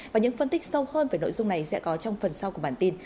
và những phân tích sâu hơn về nội dung này sẽ có trong phần sau của bản tin